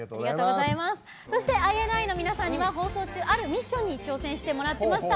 そしてＩＮＩの皆さんには放送中、あるミッションに挑戦してもらってました。